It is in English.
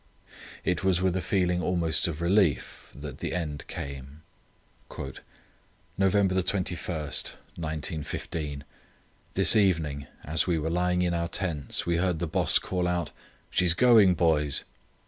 It was with a feeling almost of relief that the end came. "November 21, 1915.—This evening, as we were lying in our tents we heard the Boss call out, 'She's going, boys!